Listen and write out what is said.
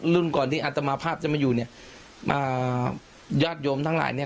รุ่นก่อนที่อัตมาภาพจะมาอยู่เนี่ยอ่าญาติโยมทั้งหลายเนี่ย